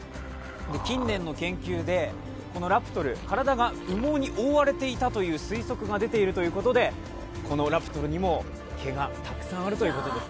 近年の研究でラプトル、体が羽毛に覆われていたという推測が出ていたということで毛がたくさんあるということなんです。